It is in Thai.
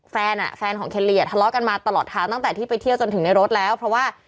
แฟนอ่ะแฟนของเคนลีอ่ะทะเลาะกันมาตลอดทางตั้งแต่ที่ไปเที่ยวจนถึงในรถแล้วเพราะว่า